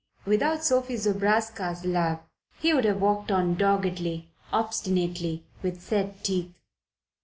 Without Sophie Zobraska's love he would have walked on doggedly, obstinately, with set teeth.